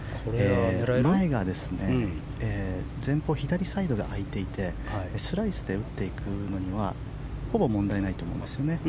ライが前方左サイドが空いていてスライスで打っていくのにはほぼ問題ないと思います。